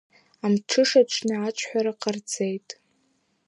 Амҽышаҽны аҽҳәара ҟарҵеит.